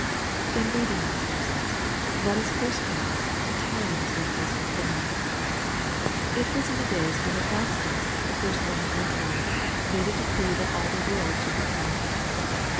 In reading these verses, let us first notice the times when Christ was born. It was in the days when Augus tus, the first Boman emperor, made '^ a decree that all the world should be taxed."